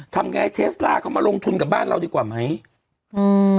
ทำไงให้เคสลาก็มาลงทุนกับบ้านเราดีกว่าไหมมือ